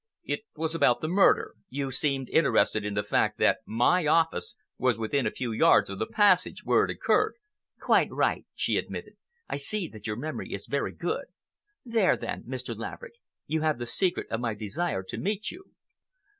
"It was about the murder. You seemed interested in the fact that my office was within a few yards of the passage where it occurred." "Quite right," she admitted. "I see that your memory is very good. There, then, Mr. Laverick, you have the secret of my desire to meet you."